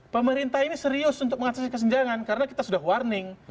pemerintah ini serius untuk mengakses kesenjangan karena kita sudah warning